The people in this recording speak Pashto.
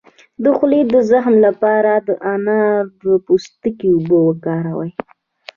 د خولې د زخم لپاره د انار د پوستکي اوبه وکاروئ